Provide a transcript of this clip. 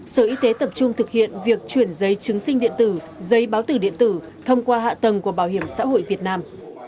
sở y tế tập trung thực hiện việc chuyển giấy chứng sinh điện tử giấy báo tử điện tử thông qua hạ tầng của bảo hiểm xã hội việt nam